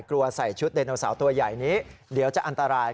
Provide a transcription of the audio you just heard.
ใส่ชุดไดโนเสาร์ตัวใหญ่นี้เดี๋ยวจะอันตราย